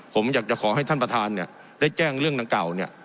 ผมอยากจะขอให้ท่านประธานเนี่ยได้แจ้งเรื่องดังกล่าวเนี่ย